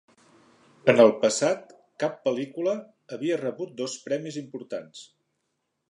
En el passat, cap pel·lícula havia rebut dos premis importants.